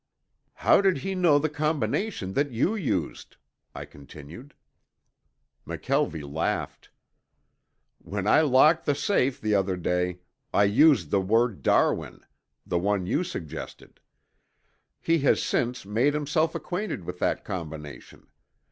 "How did he know the combination that you used?" I continued. McKelvie laughed. "When I locked the safe the other day I used the word, Darwin, the one you suggested. He has since made himself acquainted with that combination.